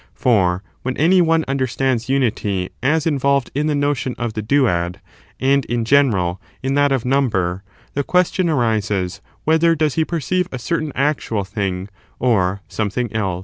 For when any one understands unity as involved in the notion of the duad, and, in general, in that of number, the question arises whe ther does he perceive a certain actual thing or something else?